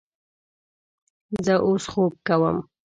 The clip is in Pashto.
زه اوس خوب کوم